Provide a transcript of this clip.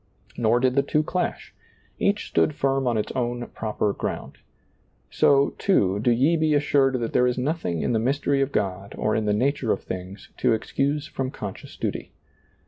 Nor did the two clash. Each stood firm on its own proper ground. So, too, do ye be assured that there is nothing in the mystery of God or in the nature of things to excuse from conscious duty.